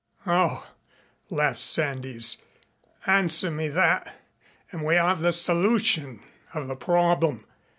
"Oh," laughed Sandys, "answer me that and we have the solution of the problem.